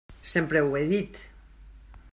Sempre ho he dit.